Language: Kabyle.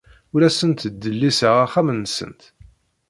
Ur asent-ttdelliseɣ axxam-nsent.